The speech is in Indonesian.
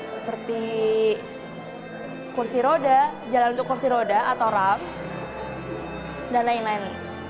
seperti jalan untuk kursi roda atau ram dan lain lain